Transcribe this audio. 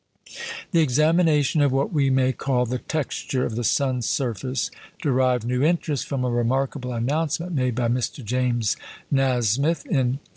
The examination of what we may call the texture of the sun's surface derived new interest from a remarkable announcement made by Mr. James Nasmyth in 1862.